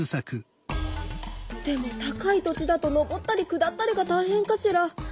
でも高い土地だと登ったり下ったりがたいへんかしら。